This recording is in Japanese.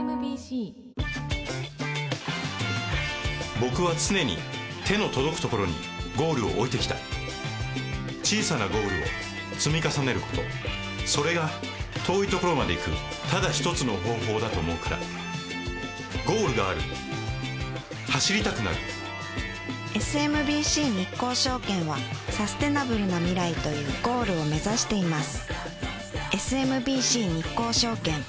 僕は常に手の届くところにゴールを置いてきた小さなゴールを積み重ねることそれが遠いところまで行くただ一つの方法だと思うからゴールがある走りたくなるＳＭＢＣ日興証券はサステナブルな未来というゴールを目指しています